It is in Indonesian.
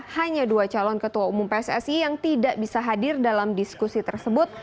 hanya dua calon ketua umum pssi yang tidak bisa hadir dalam diskusi tersebut